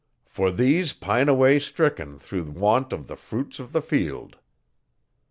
For these pine away stricken through want of the fruits of the field."